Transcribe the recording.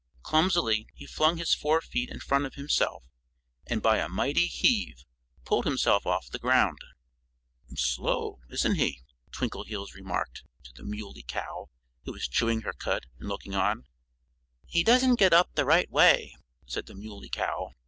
Clumsily he flung his fore feet in front of himself and by a mighty heave pulled himself off the ground. "Slow, isn't he?" Twinkleheels remarked to the Muley Cow, who was chewing her cud and looking on. "He doesn't get up the right way," said the Muley Cow.